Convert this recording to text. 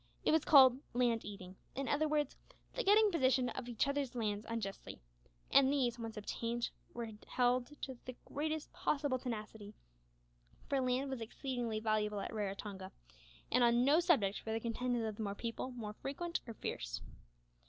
It was called "land eating" in other words, the getting possession of each other's lands unjustly, and these, once obtained, were held with the greatest possible tenacity, for land was exceedingly valuable at Raratonga, and on no subject were the contentions of the people more frequent or fierce.